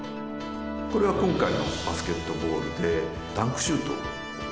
これが今回のバスケットボールでダンクシュートなんです。